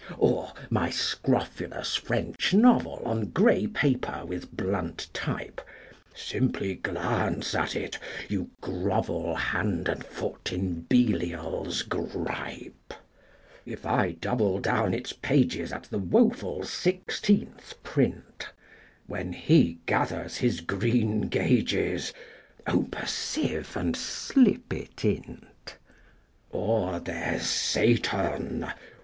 VIII. Or, my scrofulous French novel On grey paper with blunt type! Simply glance at it, you grovel Hand and foot in Belial's gripe: If I double down its pages At the woeful sixteenth print, When he gathers his greengages, Ope a sieve and slip it in't? IX. Or, there's Satan!